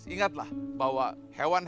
ingatlah bahwa kita harus menjaga keseimbangan